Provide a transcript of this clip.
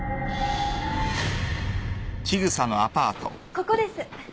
ここです。